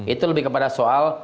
itu lebih kepada soal